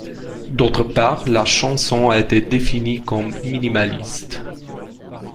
D'autre part, la chanson a été définie comme minimaliste.